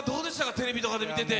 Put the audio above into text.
テレビとかで見てて。